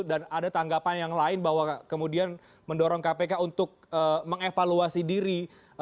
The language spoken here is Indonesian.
dan ada tanggapan yang lain bahwa kemudian mendorong kpk untuk mengevaluasi diri